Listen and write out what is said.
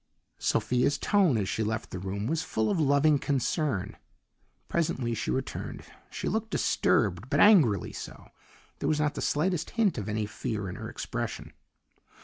Sophia's tone as she left the room was full of loving concern. Presently she returned; she looked disturbed, but angrily so. There was not the slightest hint of any fear in her expression.